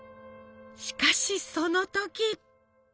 しかしその時！